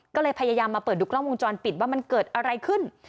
ก็เลยพยายามมาเปิดดูกล้องวงจรปิดว่ามันเกิดอะไรขึ้น